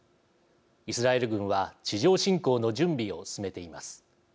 イスラエル軍は地上侵攻の準備を進めています。